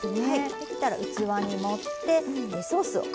できたら器に盛ってソースをかけます。